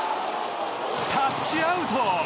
タッチアウト！